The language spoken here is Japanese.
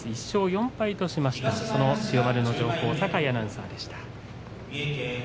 １勝４敗としました。